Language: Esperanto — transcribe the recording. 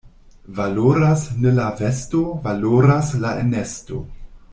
Valoras ne la vesto, valoras la enesto.